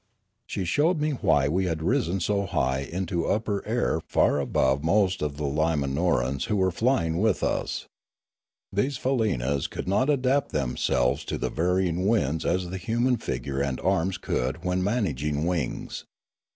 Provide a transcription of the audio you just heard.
60 Limanora She showed me why we had risen so high into upper air far above most of the Limanorans who were flying with us. These faleenas could not adapt themselves to the varying winds as the human figure and arms could when managing wings.